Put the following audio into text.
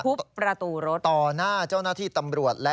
มันเกิดเหตุเป็นเหตุที่บ้านกลัว